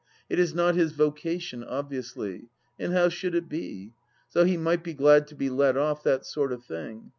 It is not his vocation, obviously ; and how should it be ? So he might be glad to be let off that sort of thing.